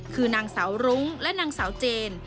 คือนางสาวรุ้งและนางสาวเจน